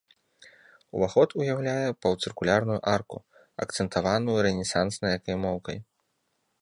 Уваход уяўляе паўцыркульную арку, акцэнтаваную рэнесанснай акаймоўкай.